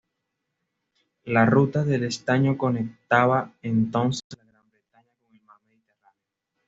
La ruta del estaño conectaba entonces la Gran Bretaña con el mar Mediterráneo.